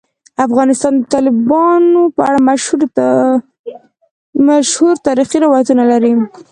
افغانستان د تالابونو په اړه مشهور تاریخی روایتونه لري.